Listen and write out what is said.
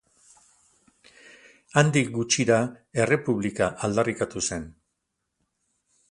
Handik gutxira errepublika aldarrikatu zen.